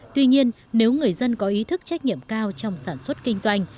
tuy nhiên nếu người dân có ý thức trách nhiệm cao trong sản xuất kinh doanh